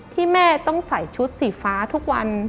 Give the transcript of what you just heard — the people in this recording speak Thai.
ที่แม่ต้องใส่ชุดสีฟ้าทุกวัน